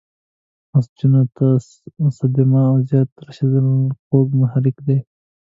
نسجونو ته صدمه او زیان رسیدل د خوږ محرک دی.